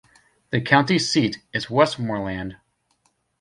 The county seat is Westmoreland.